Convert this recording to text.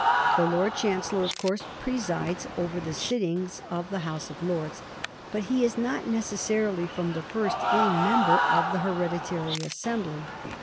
The Lord Chancellor of course presides over the sittings of the House of Lords, but he is not necessarily, from the first, a member of the hereditary assembly.